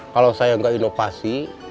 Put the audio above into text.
kalau saya gak inovasi